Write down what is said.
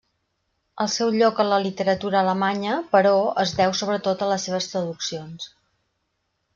El seu lloc a la literatura alemanya, però, es deu sobretot a les seves traduccions.